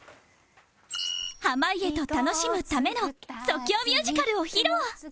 濱家と楽しむための即興ミュージカルを披露